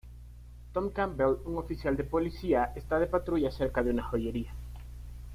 Tom Campbell, un oficial de policía, está de patrulla cerca de una joyería.